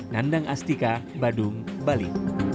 nandang astika badung bali